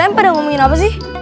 m pada ngomongin apa sih